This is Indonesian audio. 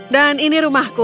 dan ini rumahku